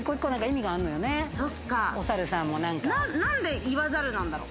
何で言わざるなんだろう。